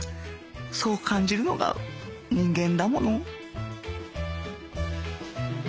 そう感じるのが人間だもの